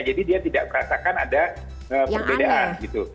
jadi dia tidak merasakan ada perbedaan gitu